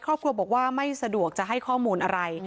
ครอบครัวพูดว่าจะจะให้ข้อมูลอะไร